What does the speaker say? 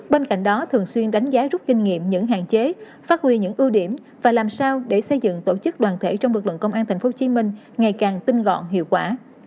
bên cạnh đó thường xuyên đánh giá rút kinh nghiệm những hạn chế phát huy những ưu điểm và làm sao để xây dựng tổ chức đoàn thể trong lực lượng công an thành phố hồ chí minh ngày càng tinh gọn hiệu quả